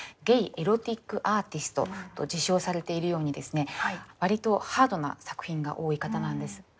ゲイ・エロティック・アーティストと自称されているようにですね割とハードな作品が多い方なんです。